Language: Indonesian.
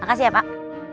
makasih ya pak